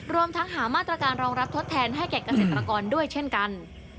รวมทั้งหามาตรการรองรับทดแทนให้แก่เกษตรกรด้วยเช่นกัน